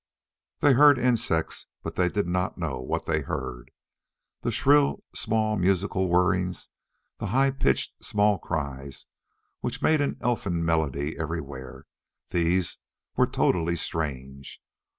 They heard insects, but they did not know what they heard. The shrill small musical whirrings; the high pitched small cries which made an elfin melody everywhere, these were totally strange.